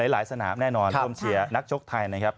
สนามแน่นอนร่วมเชียร์นักชกไทยนะครับ